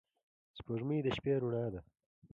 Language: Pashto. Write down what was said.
• سپوږمۍ د شپې رڼا ده.